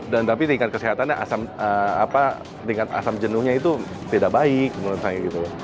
dan tapi tingkat kesehatannya asam jenuhnya itu tidak baik menurut saya gitu loh